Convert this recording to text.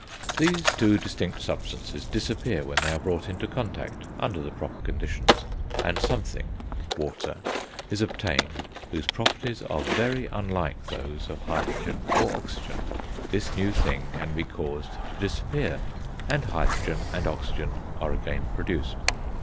These two distinct substances disappear when they are brought into contact, under the proper conditions, and something (water) is obtained whose properties are very unlike those of hydrogen or oxygen; this new thing can be caused to disappear, and hydrogen and oxygen are again produced.